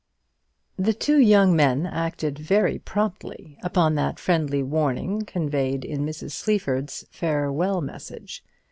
The two young men acted very promptly upon that friendly warning conveyed in Mrs. Sleaford's farewell message.